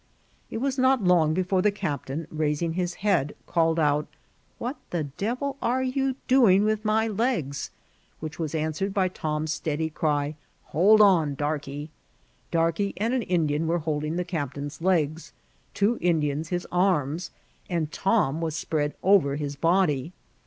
It was not long before the captain, raising his head, called out, ^^ What the devil are yon doing with my legs?" which was answered by Tom's steady cry, <^Hold on, Darkey!" Darkey and an Indian were holding the captain's legs, two Indians his arms, and Tom was spread over his body.